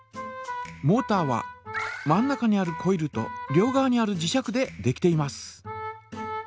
モータは真ん中にあるコイルと両側にある磁石でできています。